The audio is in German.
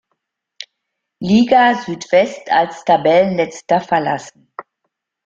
Liga Südwest als Tabellenletzter verlassen.